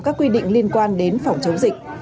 các quy định liên quan đến phòng chống dịch